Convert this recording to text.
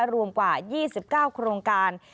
รวมกว่า๒๙โครงการ